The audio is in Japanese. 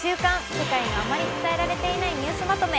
世界のあまり伝えられていないニュースまとめ」。